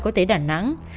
công an tp đà nẵng